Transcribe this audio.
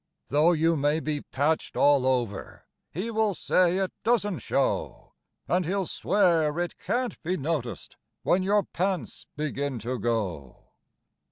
Though you may be patched all over he will say it doesn't show, And he'll swear it can't be noticed when your pants begin to go.